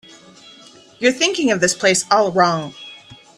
You're thinking of this place all wrong.